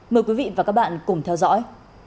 mời quý vị và các bạn cùng theo dõi